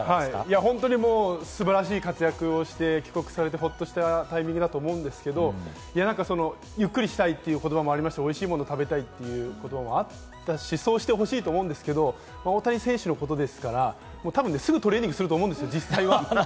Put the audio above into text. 本当に素晴らしい活躍をして、帰国してほっとしたタイミングだと思うんですけれども、ゆっくりしたいという言葉もありまして、おいしいものを食べたいという言葉もあったし、そうしてほしいと思うんですけど、大谷選手のことですから、すぐトレーニングすると思うんですよ、実際は。